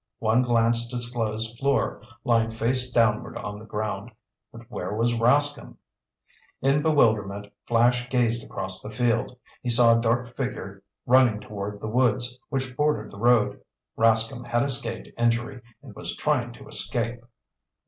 One glance disclosed Fleur lying face downward on the ground. But where was Rascomb? In bewilderment Flash gazed across the field. He saw a dark figure running toward the woods which bordered the road. Rascomb had escaped injury and was trying to escape.